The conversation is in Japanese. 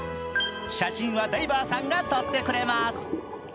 写真はダイバーさんが撮ってくれます。